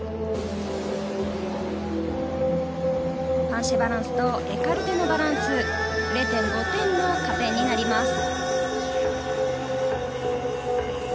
パンシェバランスとエカルテのバランス０．５点の加点になります。